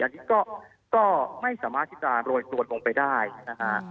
อันนี้ก็ไม่สามารถที่จะโรยตัวลงไปได้นะฮะ